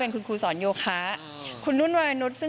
คุณนุลวะละนุษย์